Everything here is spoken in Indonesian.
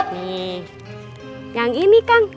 nih yang ini kang